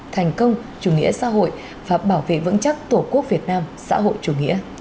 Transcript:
thành công chủ nghĩa xã hội và bảo vệ vững chắc tổ quốc việt nam xã hội chủ nghĩa